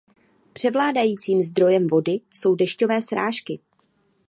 Převládajícím zdrojem vody jsou dešťové srážky.